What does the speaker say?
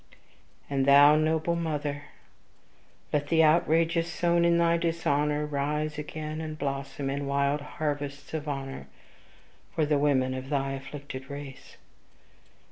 And thou, noble mother, let the outrages sown in thy dishonor, rise again and blossom in wide harvests of honor for the women of thy afflicted race.